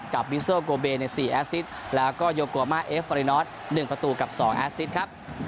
กับวิสเตอร์โกเบใน๔แอซิดแล้วก็โยโกามาเอฟรีนอท๑ประตูกับ๒แอซิดครับ